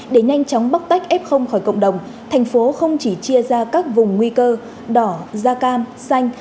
để nhanh chóng bắt tách f khỏi cộng đồng tp hcm không chỉ chia ra các vùng nguy cơ đỏ da cam xanh